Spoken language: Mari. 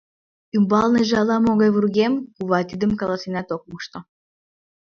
Ӱмбалныже ала-могай вургем — кува тидым каласенат ок мошто.